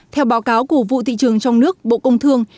theo báo cáo của vụ thị trường trong nước bộ công thương